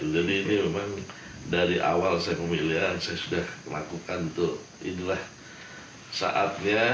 jadi ini memang dari awal saya memilih saya sudah lakukan untuk inilah saatnya